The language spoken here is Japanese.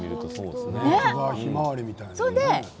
ひまわりみたいね。